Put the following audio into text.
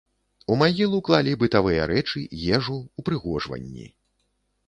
У магілу клалі бытавыя рэчы, ежу, упрыгожванні.